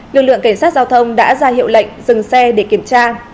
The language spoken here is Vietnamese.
lực lượng cảnh sát giao thông đã ra hiệu lệnh dừng xe để kiểm tra